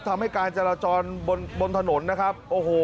ทำให้การจราจรบนถนนนะครับ